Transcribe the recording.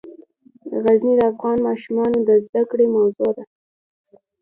غزني د افغان ماشومانو د زده کړې موضوع ده.